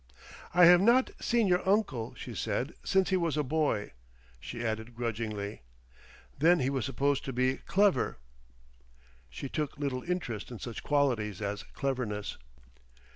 "I have not seen your uncle," she said, "since he was a boy...." She added grudgingly, "Then he was supposed to be clever." She took little interest in such qualities as cleverness.